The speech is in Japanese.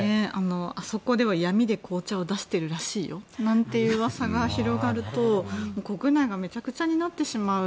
あそこでは闇で紅茶を出しているらしいよなんていううわさが広がると国内がめちゃくちゃになってしまう。